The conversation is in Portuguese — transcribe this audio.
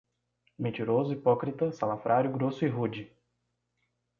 Mentiroso, hipócrita, salafrário, grosso e rude